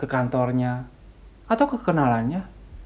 ke kantornya atau ke kenalannya